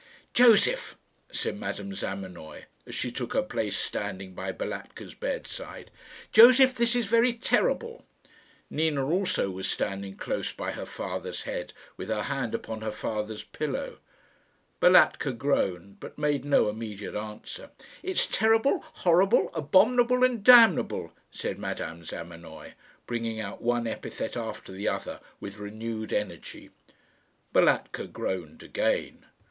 "Josef," said Madame Zamenoy, as she took her place standing by Balatka's bedside "Josef, this is very terrible." Nina also was standing close by her father's head, with her hand upon her father's pillow. Balatka groaned, but made no immediate answer. "It is terrible, horrible, abominable, and damnable," said Madame Zamenoy, bringing out one epithet after the other with renewed energy. Balatka groaned again.